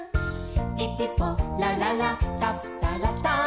「ピピポラララタプタラタン」